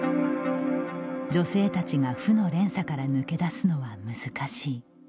女性たちが負の連鎖から抜け出すのは難しい。